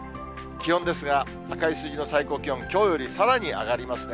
気温ですが、赤い数字の最高気温、きょうよりさらに上がりますね。